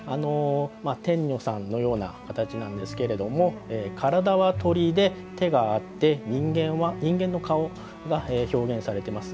天女さんのような形なんですけど体は鳥で、手があって人間の顔が表現されています。